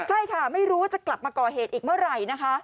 ใช่ค่ะไม่รู้ว่าจะกลับมาก่อเหตุอีกเมื่อไหร่นะคะ